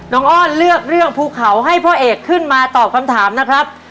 น้องอ้อนเลือกพูเขาให้พ่อเอกขึ้นมาตอบคำถามนะครับ